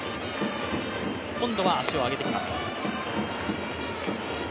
今度は足を上げてきます。